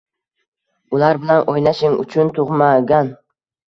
Ular bilan oʻynashing uchun tugʻmagan.